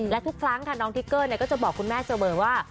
และทุกครั้งน้องทิกเกอร์เนี่ยก็จะบอกคุณแม่เจอเวิร์ดว่า